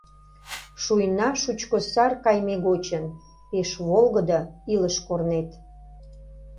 Шуйна шучко сар кайме гочын Пеш волгыдо илыш корнет.